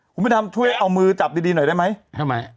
คุณพระดำช่วยเอามือจับดีดีหน่อยได้ไหมทำไม